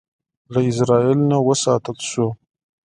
له ازرائیل نه وساتل شو.